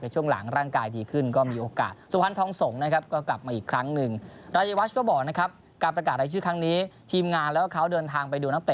เพราะว่าเตะทีมชาติไป๙๙นัดเดี๋ยวเล่าให้ฟังอีกทีเรื่องนี้